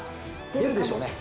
出るでしょうね。